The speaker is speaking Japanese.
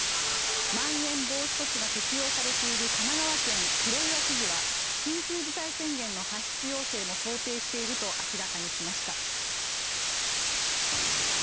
まん延防止措置が適用されている神奈川県、黒岩知事は緊急事態宣言の発出要請も想定していると明らかにしました。